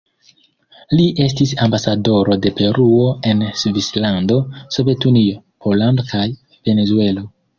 Li estis ambasadoro de Peruo en Svislando, Sovetunio, Pollando kaj Venezuelo.